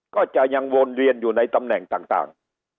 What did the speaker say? ก็ยังวนเวียนอยู่ในตำแหน่งต่าง